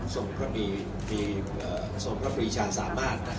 ส่งพระมีมีส่งพระบริชาศาสตร์